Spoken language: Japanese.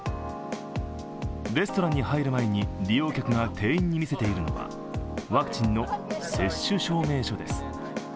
レストランに入る前に、利用客が店員に見せているのはワクチンの接種証明書です。